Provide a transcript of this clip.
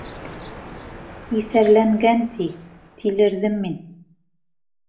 — Иҫәрләнгән ти, тилерҙем мин.